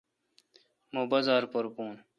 مہ بازار پر بھون۔